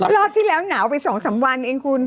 สักรอดที่แล้วหนาวไปสองสำวันเองคุณ